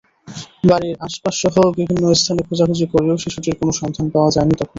বাড়ির আশপাশসহ বিভিন্ন স্থানে খোঁজাখুঁজি করেও শিশুটির কোনো সন্ধান পাওয়া যায়নি তখন।